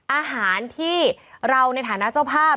อาหารที่เราในฐานะเจ้าภาพ